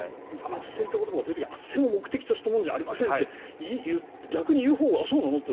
あっせんという言葉が出てきてあっせんを目的としたものじゃありませんと逆に言うほうがそうなの？って。